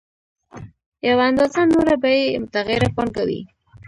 یوه اندازه نوره به یې متغیره پانګه وي